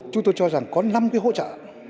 chúng tôi cho rằng có năm cái hỗ trợ